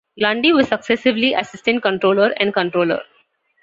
Lundy was successively assistant controller and controller.